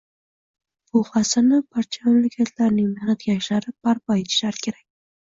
Bu qasrni barcha mamlakatlarning mehnatkashlari barpo etishlari kerak